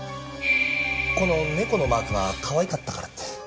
この猫のマークがかわいかったからって。